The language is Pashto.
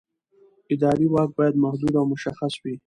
اداري واک باید محدود او مشخص وي.